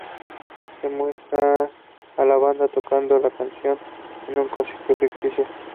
Se muestra a la banda tocando la canción en un concierto ficticio.